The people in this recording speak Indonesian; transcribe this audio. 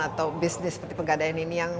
atau bisnis seperti pegadaian ini yang